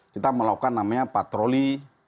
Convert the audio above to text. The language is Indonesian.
kita melakukan namanya patroli